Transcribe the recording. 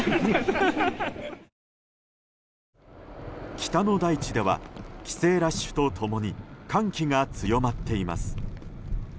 北の大地では帰省ラッシュと共に寒気が強まっています。